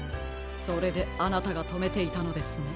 それであなたがとめていたのですね。